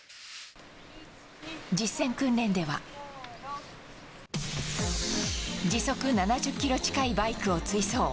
実戦訓練では時速７０キロ近いバイクを追走。